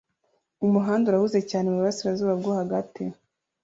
Umuhanda urahuze cyane muburasirazuba bwo hagati